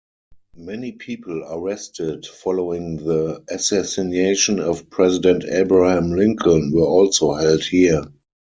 Many people arrested following the assassination of President Abraham Lincoln were also held here.